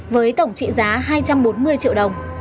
với tổng trị giá hai trăm bốn mươi triệu đồng